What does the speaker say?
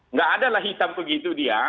nggak adalah hitam begitu dia